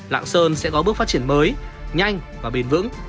lạng sơn sẽ có bước phát triển mới nhanh và bền vững